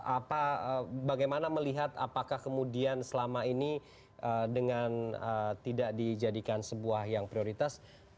apa bagaimana melihat apakah kemudian selama ini dengan tidak dijadikan sebuah yang prioritas